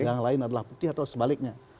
yang lain adalah putih atau sebaliknya